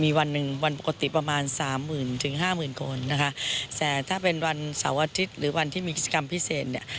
มีวันหนึ่งวันปกติประมาณสามหมื่นถึงห้าหมื่นคนนะคะแต่ถ้าเป็นวันเสาร์อาทิตย์หรือวันที่มีกิจกรรมพิเศษเนี่ย